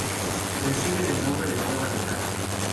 Reciben el nombre de pruebas de caza.